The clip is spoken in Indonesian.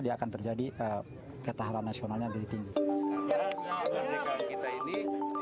dia akan terjadi ketahuan nasionalnya yang jadi tinggi